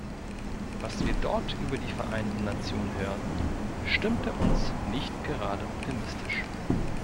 Was wir dort über die Vereinten Nationen hörten, stimmte uns nicht gerade optimistisch.